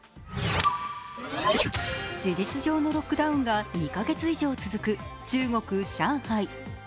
事実上のロックダウンが２カ月以上続く中国・上海。